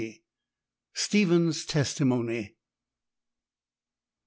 STEPHEN'S TESTIMONY.